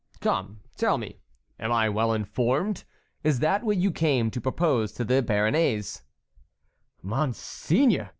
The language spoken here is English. Come, tell me; am I well informed? Is that what you came to propose to the Béarnais?" "Monseigneur!"